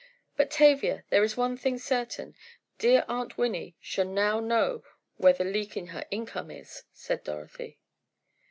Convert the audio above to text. "But, Tavia, there is one thing certain. Dear Aunt Winnie shall now know where the leak in her income is," said Dorothy.